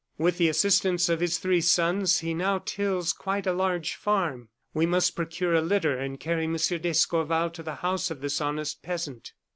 With the assistance of his three sons, he now tills quite a large farm. We must procure a litter and carry Monsieur d'Escorval to the house of this honest peasant."